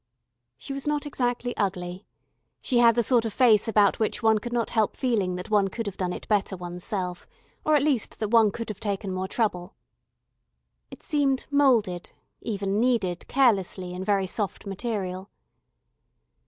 She was not exactly ugly. She had the sort of face about which one could not help feeling that one could have done it better oneself, or at least that one could have taken more trouble. It seemed moulded even kneaded carelessly, in very soft material.